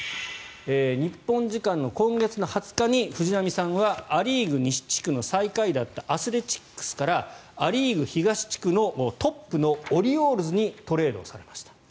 日本時間の今月の２０日に藤浪さんはア・リーグ西地区最下位だったアスレチックスからア・リーグ東地区のトップのオリオールズにトレードされました。